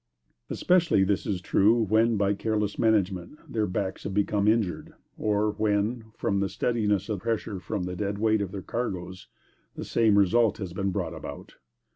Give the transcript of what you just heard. Especially is this true, when, by careless management, their backs have become injured; or when, from the steadiness of pressure from the "dead weight" of their cargoes, the same result has been brought about.